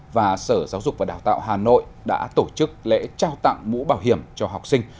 và sở giáo dục và đào tạo hà nội đã tổ chức lễ trao tặng mũ bảo hiểm cho học sinh